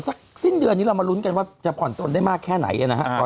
สิ้นเดือนนี้เรามาลุ้นกันว่าจะผ่อนตนได้มากแค่ไหนนะครับ